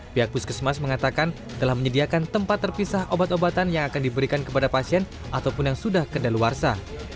pihak puskesmas mengatakan telah menyediakan tempat terpisah obat obatan yang akan diberikan kepada pasien ataupun yang sudah kedaluarsa